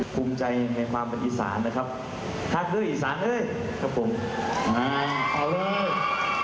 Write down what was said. ภูมิใจให้ความเป็นอีสานนะครับฮักด้วยอีสานด้วยครับผม